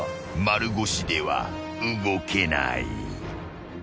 ［丸腰では動けない］